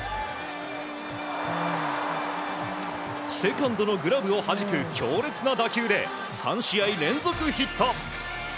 セカンドのグラブをはじく強烈な打球で３試合連続ヒット。